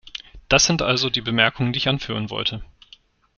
Das sind also die Bemerkungen, die ich anführen wollte.